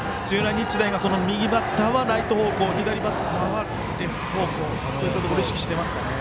日大が右バッターはライト方向左バッターはレフト方向を意識していますかね。